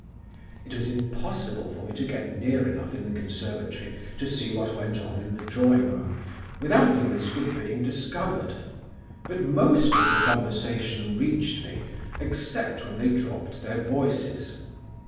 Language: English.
"It was impossible for me to get near enough in the conservatory to see what went on in the drawing room, without the risk of being discovered. But most of the conversation reached me, except when they dropped their voices.